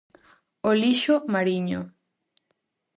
O lixo mariño.